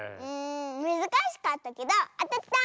むずかしかったけどあたった！